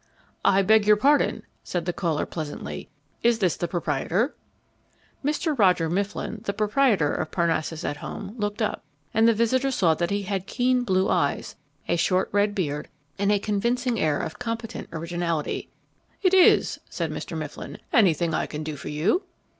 "I beg your pardon," said the caller, pleasantly; "is this the proprietor?" Mr. Roger Mifflin, the proprietor of "Parnassus at Home," looked up, and the visitor saw that he had keen blue eyes, a short red beard, and a convincing air of competent originality. "It is," said Mr. Mifflin. "Anything I can do for you?"